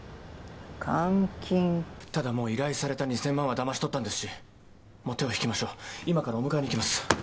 ただもう依頼された２，０００万はだまし取ったんですしもう手を引きましょう今からお迎えにいきます。